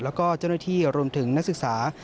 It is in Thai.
แล้วก็เจ้าหน้าที่รวมถึงนักศึกษา